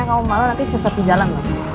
kamu malu nanti sesat di jalan